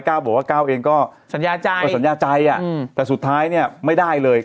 บอกว่าก้าวเองก็สัญญาใจแต่สุดท้ายเนี่ยไม่ได้เลย